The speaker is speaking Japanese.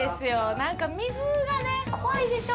何か水が怖いでしょ。